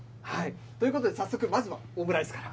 ということで、早速、まずはオムライスから。